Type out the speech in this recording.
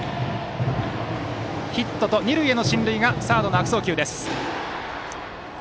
ヒット、そして二塁への進塁はサードの悪送球です。